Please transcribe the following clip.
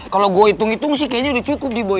kalau gue hitung hitung sih kayaknya udah cukup di bawahnya